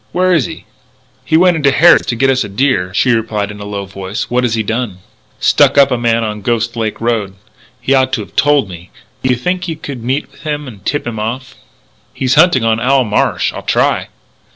Where is he?" "He went into Harrod's to get us a deer," she replied in a low voice. "What has he done?" "Stuck up a man on the Ghost Lake road. He ought to have told me. Do you think you could meet up with him and tip him off?" "He's hunting on Owl Marsh. I'll try."